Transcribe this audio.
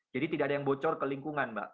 jadi tidak ada yang bocor ke lingkungan mbak